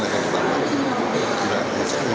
yang kelima sampai indonesia indonesia